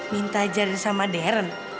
minta ajarin sama darren